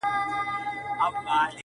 د صوفي په نظر هر څه اصلیت وو؛